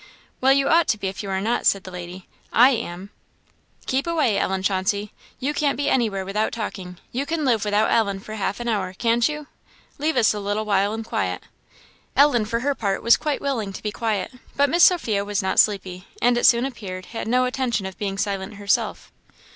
"Well, you ought to be, if you are not," said the lady. "I am. Keep away, Ellen Chauncey you can't be anywhere without talking. You can live without Ellen for half an hour, can't ye? Leave us a little while in quiet." Ellen for her part was quite willing to be quiet. But Miss Sophia was not sleepy, and it soon appeared had no intention of being silent herself.